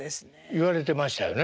言われてましたよね。